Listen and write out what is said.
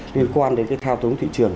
liên quan đến cái thao túng thị trường